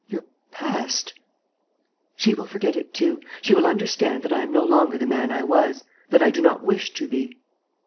"Your past. ..." "She will forget it too. She will understand that I am no longer the man I was, that I do not wish to be."